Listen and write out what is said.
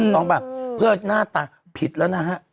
ต้องป่ะเพื่อหน้าตาผิดแล้วนะฮะ